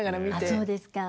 そうですか。